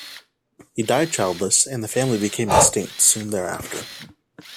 He died childless, and the family became extinct soon thereafter.